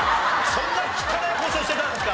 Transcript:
そんな汚い交渉してたんですか？